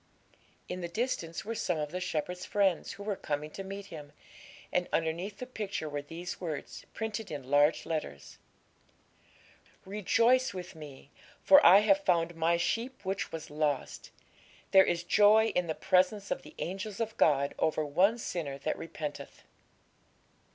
In the distance were some of the shepherd's friends, who were coming to meet him, and underneath the picture were these words, printed in large letters 'Rejoice with Me, for I have found My sheep which was lost. There is joy in the presence of the angels of God over one sinner that repenteth.'